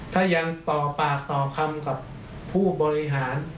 ถ้ายังต่อปากต่อคำกับผู้บริหาร